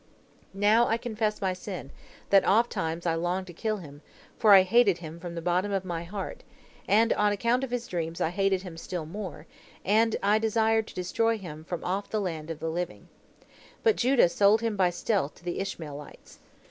"Now I confess my sin, that ofttimes I longed to kill him, for I hated him from the bottom of my heart, and on account of his dreams I hated him still more, and I desired to destroy him from off the land of the living. But Judah sold him by stealth to the Ishmaelites.